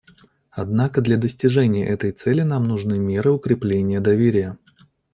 Однако для достижения этой цели нам нужны меры укрепления доверия.